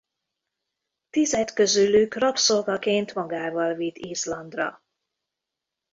Tízet közülük rabszolgaként magával vitt Izlandra.